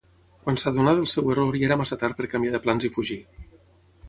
Quan s'adonà del seu error ja era massa tard per canviar de plans i fugir.